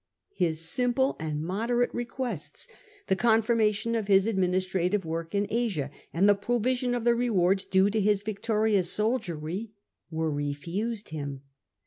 His simple and moderate requests — the confirmation of his administra tive work in Asia and the provision of the rewards due to his victorious soldiery — were refused him.